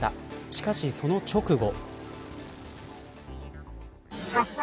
しかし、その直後。